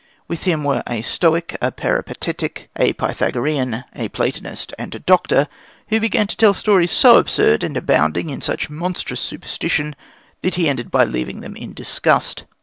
With him were a Stoic, a Peripatetic, a Pythagorean, a Platonist, and a doctor, who began to tell stories so absurd and abounding in such monstrous superstition that he ended by leaving them in disgust.